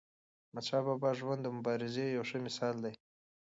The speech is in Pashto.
د احمدشاه بابا ژوند د مبارزې یو ښه مثال دی.